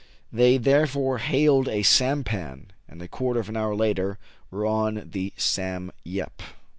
They therefore hailed a sampan, and a quarter of an hour later were on the " Sam Yep."